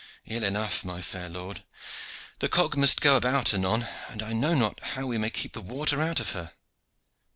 "Ill enough, my fair lord. The cog must go about anon, and I know not how we may keep the water out of her."